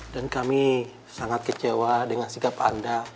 dan kami sangat kecewa dengan sikap anda